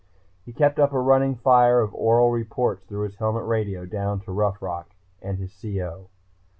He kept up a running fire of oral reports through his helmet radio, down to Rough Rock and his CO.